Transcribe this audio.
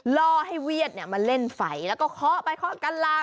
ล่อให้เวียดมาเล่นไฟแล้วก็เคาะไปเคาะกันลา